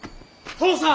父さん！